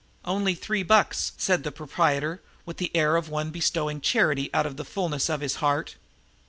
"Only three bucks," said the proprietor with the air of one bestowing charity out of the fullness of his heart.